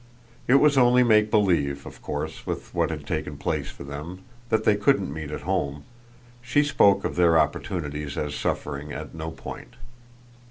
It was only make believe of course, with what had taken place for them, that they couldn't meet at home; she spoke of their opportunities as suffering at no point.